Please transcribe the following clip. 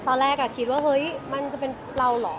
ตอนแรกคิดว่าเฮ้ยมันจะเป็นเราเหรอ